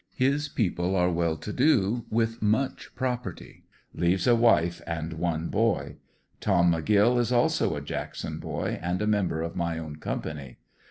His people are well to do, with much property. Leaves a wife and one boy. Tom McGill is also a Jackson boy and a member of my own company.